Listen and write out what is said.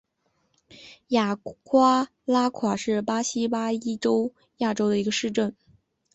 雅瓜夸拉是巴西巴伊亚州的一个市镇。